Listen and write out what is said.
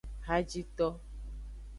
Hajito.